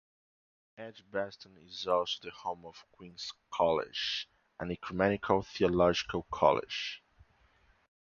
Edgbaston is also the home of Queen's College, an ecumenical theological college.